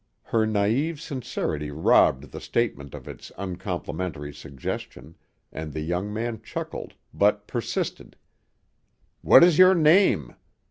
Her naïve sincerity robbed the statement of its uncomplimentary suggestion, and the young man chuckled, but persisted. "What is your name?